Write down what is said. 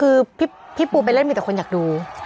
คือพี่ปูไปเล่นมีแต่คนอยากดู